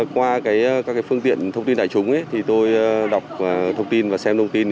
qua các phương tiện thông tin tài trúng tôi đọc thông tin và xem thông tin